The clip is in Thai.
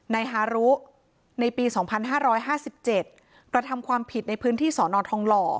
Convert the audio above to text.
ฮารุในปี๒๕๕๗กระทำความผิดในพื้นที่สอนอทองหล่อ